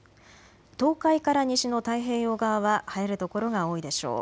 東海から西の太平洋側は晴れる所が多いでしょう。